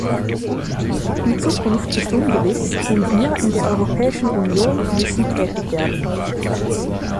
Die Zukunft ist ungewiss, und wir in der Europäischen Union müssen tätig werden.